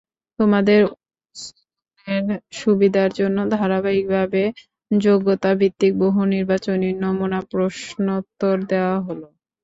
তোমাদের অনুশীলনের সুবিধার জন্য ধারাবাহিকভাবে যোগ্যতাভিত্তিক বহুনির্বাচনি নমুনা প্রশ্নোত্তর দেওয়া হলো।